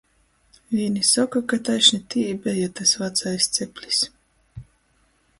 Vīni soka, ka taišni tī i beja tys vacais ceplis.